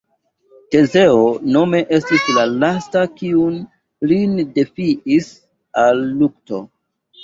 Tezeo nome estis la lasta kiun li defiis al lukto.